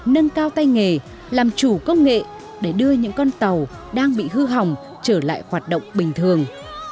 nâng cao tay nghề làm chủ công nghệ để đưa những con tàu đang bị hư hỏng trở lại hoạt động bình thường